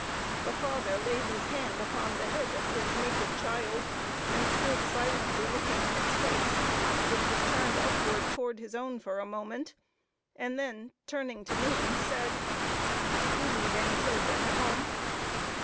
The father laid his hand upon the head of his naked child, and stood silently looking in its face which was turned upwards toward his own for a moment and then turning to me, said, "Did you leave any children at home?"